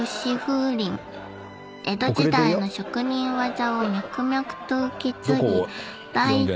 江戸時代の職人技を脈々と受け継ぎだいいち